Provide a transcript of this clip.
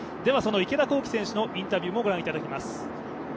池田向希選手のインタビューもご覧いただきます。